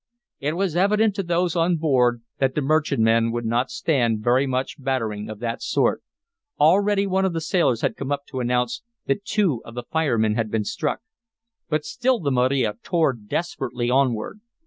It was evident to those on board that the merchantman would not stand very much battering of that sort. Already one of the sailors had come up to announce that two of the firemen had been struck. But still the Maria tore desperately onward.